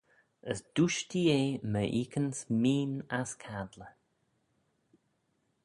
As dooishtee eh my oikan's meen ass cadley.